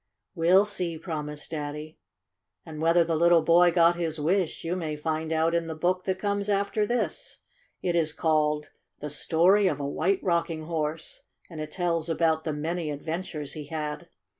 "We'll see," promised Daddy. And whether the little boy got his wish you may find out in the book that comes after this. It is called "The Story of a White Rocking Horse," and it tells about the many adventures he had.